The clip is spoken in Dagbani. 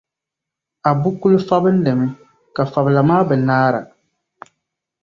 Abu kuli fabindi mi, ka fabila maa bi naara.